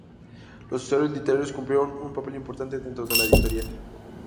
Los asesores literarios cumplieron un papel importante dentro de la editorial.